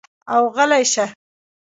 او غلے شۀ ـ